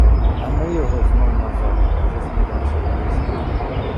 - А ми його знов назад! - засміявся пристав.